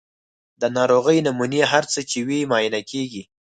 د ناروغۍ نمونې هر څه چې وي معاینه کیږي.